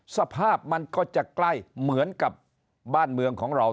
สภาพมันก็จะใกล้เหมือนกับบ้านเมืองของเรา